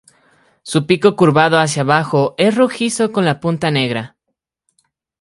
Su pico curvado hacia abajo es rojizo con la punta negra.